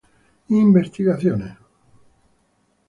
Investigaciones